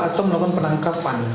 atau melakukan penangkapan